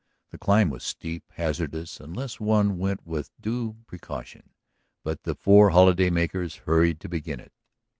The climb was steep, hazardous unless one went with due precaution, but the four holiday makers hurried to begin it.